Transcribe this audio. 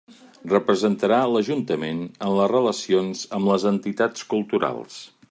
Representarà l'ajuntament en les relacions amb les entitats culturals.